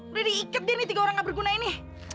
udah diikat deh nih tiga orang nggak berguna ini